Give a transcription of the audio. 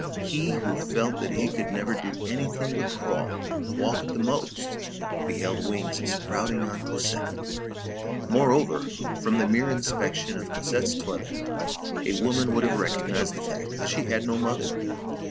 He who felt that he could never do anything but crawl, walk at the most, beheld wings sprouting on Cosette. Moreover, from the mere inspection of Cosette's toilet, a woman would have recognized the fact that she had no mother.